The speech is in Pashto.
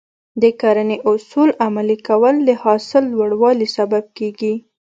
د کرنې اصول عملي کول د حاصل لوړوالي سبب کېږي.